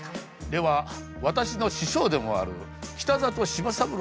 では私の師匠でもある北里柴三郎先生を。